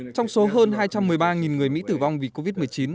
trong số hơn hai trăm một mươi ba người mỹ tử vong vì covid một mươi chín